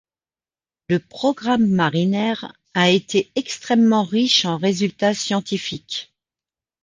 Le programme Mariner a été extrêmement riche en résultats scientifiques.